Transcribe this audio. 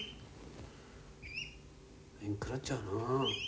めんくらっちゃうな。